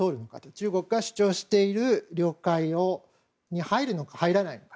中国が主張している領海に入るのか、入らないのか。